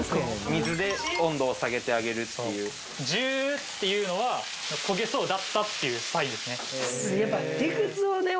水で温度を下げてあげるっていうジューっていうのは焦げそうだったっていうサインですね